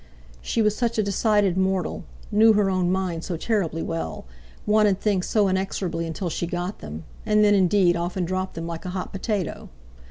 She was such a decided mortal; knew her own mind so terribly well; wanted things so inexorably until she got them—and then, indeed, often dropped them like a hot potato.